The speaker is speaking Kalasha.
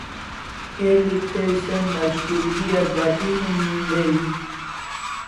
El'i tai som mashkulgi as bati en dai